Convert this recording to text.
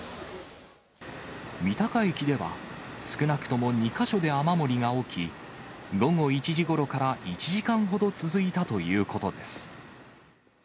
三鷹駅では、少なくとも２か所で雨漏りが起き、午後１時ごろから１時間ほど続いたということです。